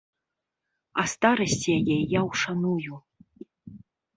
А старасць яе я ўшаную.